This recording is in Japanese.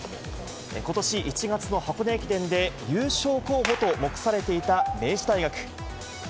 ことし１月の箱根駅伝で、優勝候補と目されていた明治大学。